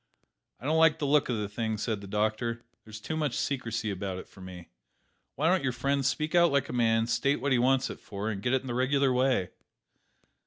"I don't like the look of the thing," said the doctor. "There's too much secrecy about it for me. Why don't your friend speak out like a man; state what he wants it for, and get it in the regular way?"